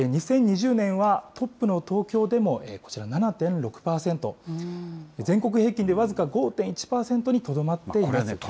２０２０年はトップの東京でもこちら７．６％、全国平均で僅か５．１％にとどまっています。